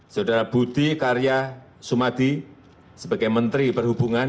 saudara budi karya sumadi sebagai menteri perhubungan